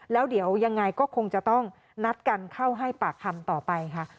แล้วเดี๋ยวยังไงก็คงจะต้องนัดกันเข้าให้ปากคำต่อไปค่ะ